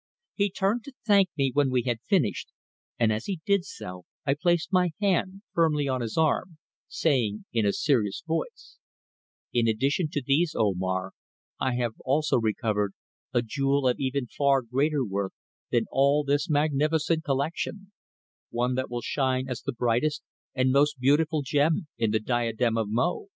He turned to thank me when we had finished, and as he did so I placed my hand firmly on his arm, saying in a serious voice: "In addition to these, Omar, I have also recovered a jewel of even far greater worth than all this magnificent collection; one that will shine as the brightest and most beautiful gem in the diadem of Mo."